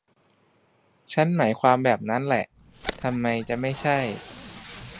ฉันหมายความแบบนั้นแหละ ทำไมจะไม่ใช่